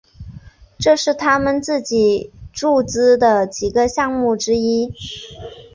这是他们自己注资的几个项目之一。